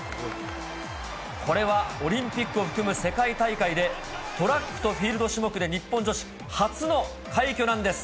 これはオリンピックを含む世界大会で、トラックとフィールド種目で日本女子初の快挙なんです。